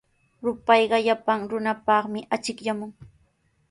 Rupayqa llapan runapaqmi achikyaamun.